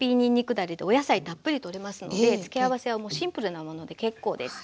だれでお野菜たっぷりとれますので付け合わせはもうシンプルなもので結構です。